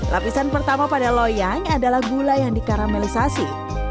lapisan pertama pada loyang adalah gula yang dikaramelisasi